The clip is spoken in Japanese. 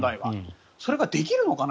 それができるのかな、